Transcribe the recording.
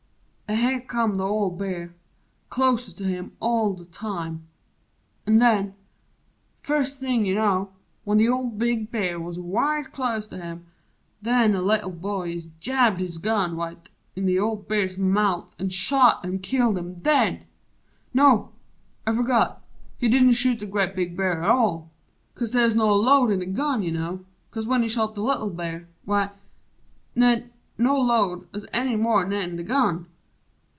An' here come Th' old Bear clos'ter to him all the time! An' nen first thing you know, when th' old Big Bear Wuz wite clos't to him nen the Little Boy Ist jabbed his gun wite in the old Bear's mouf An' shot an' killed him dead! No; I fergot, He didn't shoot the grea' big Bear at all 'Cause they 'uz no load in the gun, you know 'Cause when he shot the Little Bear, w'y, nen No load 'uz any more nen in the gun!